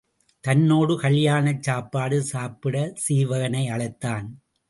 தன்னோடு கல்யாணச் சாப்பாடு சாப்பிட சீவகனை அழைத்தான்.